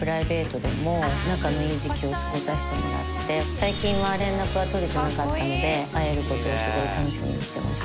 最近は連絡は取れてなかったので会えることをすごい楽しみにしてました。